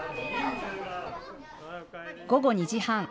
午後２時半。